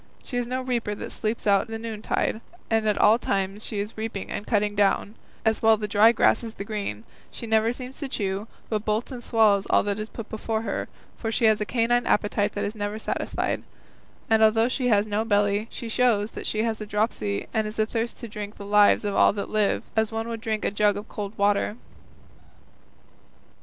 She is no reaper that sleeps out the noontide; at all times she is reaping and cutting down, as well the dry grass as the green; she never seems to chew, but bolts and swallows all that is put before her, for she has a canine appetite that is never satisfied; and though she has no belly, she shows she has a dropsy and is athirst to drink the lives of all that live, as one would drink a jug of cold water."